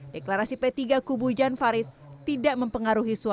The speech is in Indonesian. deklarasi p tiga kubu jan faris tidak mempengaruhi suara